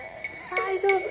大丈夫。